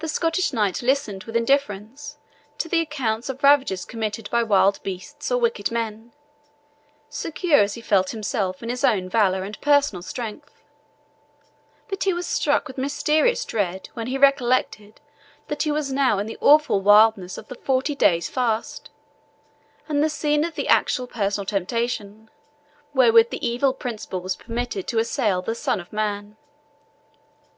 The Scottish knight listened with indifference to the accounts of ravages committed by wild beasts or wicked men, secure as he felt himself in his own valour and personal strength; but he was struck with mysterious dread when he recollected that he was now in the awful wilderness of the forty days' fast, and the scene of the actual personal temptation, wherewith the Evil Principle was permitted to assail the Son of Man.